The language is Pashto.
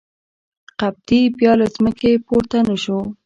قبطي بیا له ځمکې پورته نه شو.